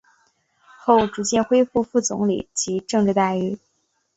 后逐渐恢复副总理级政治待遇。